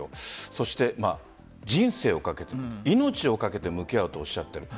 そして人生を懸けて命を懸けて向き合うとおっしゃっている。